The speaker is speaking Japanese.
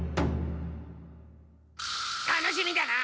楽しみだな。